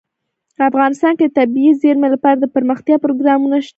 افغانستان کې د طبیعي زیرمې لپاره دپرمختیا پروګرامونه شته.